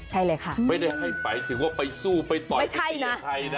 ใช่เลยค่ะไม่ได้ให้ไปถึงว่าไปสู้ไปต่อยไปตีใครนะ